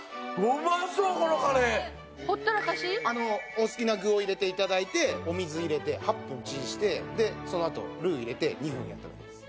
お好きな具を入れて頂いてお水入れて８分チンしてそのあとルー入れて２分やっただけです。